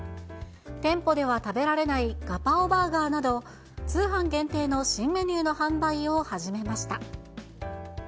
店舗では食べられないガパオバーガーなど、通販限定の新メニューの販売を始めました。